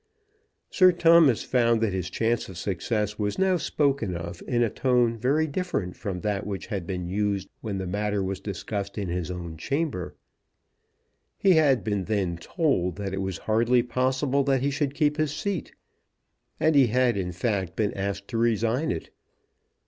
Sir Thomas found that his chance of success was now spoken of in a tone very different from that which had been used when the matter was discussed in his own chamber. He had been then told that it was hardly possible that he should keep his seat; and he had in fact been asked to resign it.